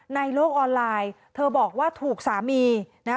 ในโลกออนไลน์เธอบอกว่าถูกสามีนะฮะ